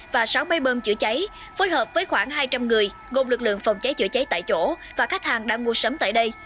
và sáu máy bơm chữa cháy phối hợp với khoảng hai trăm linh người gồm lực lượng phòng cháy chữa cháy tại chỗ và khách hàng đang mua sắm tại đây